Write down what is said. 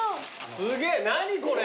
すげえ何これ！